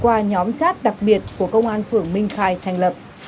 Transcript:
chỉ cần liên hệ qua nhóm chat đặc biệt của công an phường minh khay thành lập